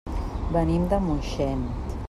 Venim de Moixent.